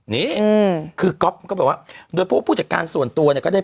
นี่คือก๊อบโดยพูดจากการส่วนตัว